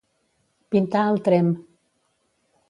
Pintar al tremp.